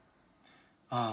ああ。